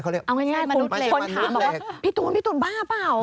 เอาง่ายคนถามว่าพี่ตูนบ้าเปล่า